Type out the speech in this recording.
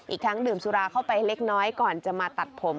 อีกทั้งดื่มสุราเข้าไปเล็กน้อยก่อนจะมาตัดผม